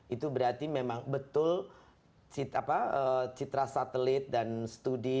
itu berarti memang betul citra satelit dan studi